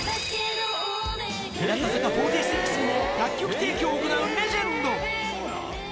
日向坂４６にも楽曲提供を行うレジェンド。